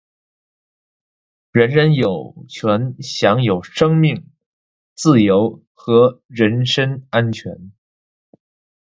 人人有权享有生命、自由和人身安全。